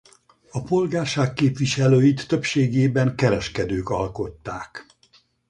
A polgárság képviselőit többségében kereskedők alkották.